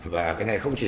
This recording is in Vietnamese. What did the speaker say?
và cái này không chỉ